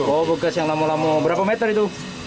oh bekas yang lama lama berapa meter itu